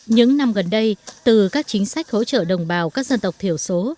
những năm gần đây từ các chính sách hỗ trợ đồng bào các dân tộc thiểu số